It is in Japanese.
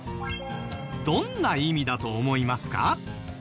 どんな意味だと思いますか？